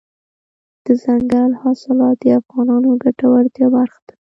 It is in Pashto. دځنګل حاصلات د افغانانو د ګټورتیا برخه ده.